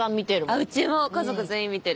うちも家族全員見てる。